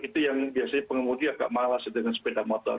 itu yang biasanya pengemudi agak malas dengan sepeda motor